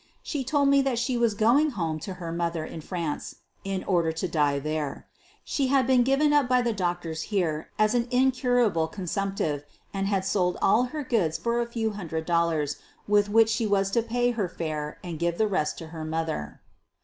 She told me that she was going home to her mother in France in order to die there. She had been given up by the doctors here as an incur able consumptive and had sold all her goods for a few hundred dollars with which she was to pay her fare and give the rest to her mother.